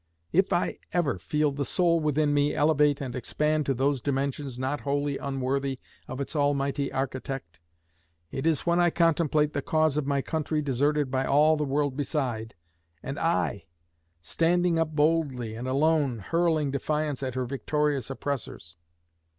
If I ever feel the soul within me elevate and expand to those dimensions not wholly unworthy of its Almighty architect, it is when I contemplate the cause of my country deserted by all the world beside, and I, standing up boldly and alone, hurling defiance at her victorious oppressors.